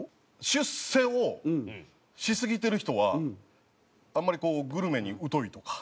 出世をしすぎてる人はあんまりこうグルメに疎いとか。